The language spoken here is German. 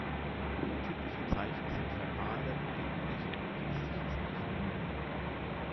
Typische Zeichen sind verbale, bildliche und gestische Zeichen.